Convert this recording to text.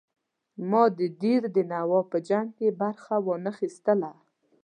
ما د دیر د نواب په جنګ کې برخه وانه خیستله.